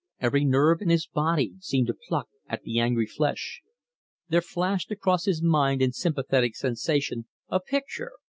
Every nerve in his body seemed to pluck at the angry flesh. There flashed across his mind in sympathetic sensation a picture.